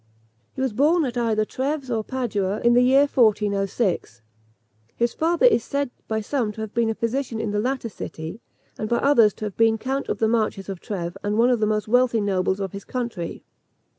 He was born at either Trèves or Padua in the year 1406. His father is said by some to have been a physician in the latter city, and by others to have been Count of the Marches of Trèves, and one of the most wealthy nobles of his country.